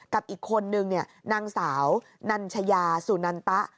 กับอีกคนนึงนางสาวนัญชยาสุนันตะ